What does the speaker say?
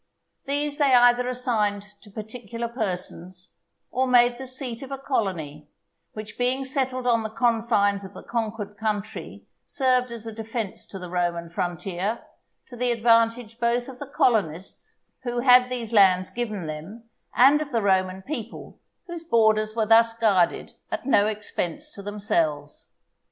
These they either assigned to particular persons, or made the seat of a colony, which being settled on the confines of the conquered country served as a defence to the Roman frontier, to the advantage both of the colonists who had these lands given them, and of the Roman people whose borders were thus guarded at no expense to themselves.